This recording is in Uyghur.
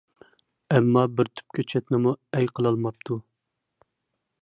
ئەمما بىر تۈپ كۆچەتنىمۇ ئەي قىلالماپتۇ.